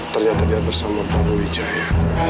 ternyata dia bersama pak wujaya